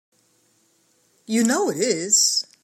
You know it is!